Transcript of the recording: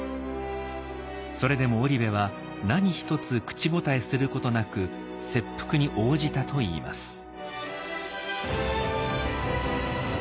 それでも織部は何一つ口答えすることなく切腹に応じたといいます。